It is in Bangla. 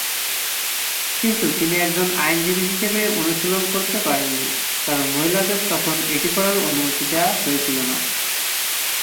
কিন্তু তিনি একজন আইনজীবী হিসাবে অনুশীলন করতে পারেননি, কারণ মহিলাদের তখনও এটি করার অনুমতি দেওয়া হয়েছিল না।